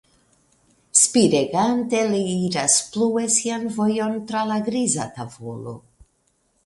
Spiregante li iras plue sian vojon tra la griza tavolo.